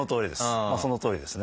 そのとおりです。